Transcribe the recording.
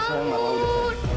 sayang salah belum